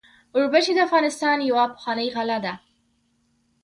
وربشې د افغانستان یوه پخوانۍ غله ده.